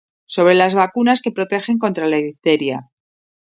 sobre las vacunas que protegen contra la difteria: